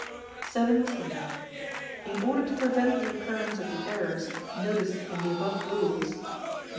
xvii. In order to prevent the occurrence of the errors noticed in the above rules (Nos.